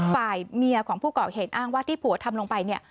ฝ่ายเมียของผู้ก่อเหตุอ้างว่าที่ผัวทำลงไปเนี่ย